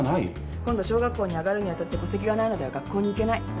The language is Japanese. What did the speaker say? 今度小学校に上がるにあたって戸籍がないのでは学校に行けない。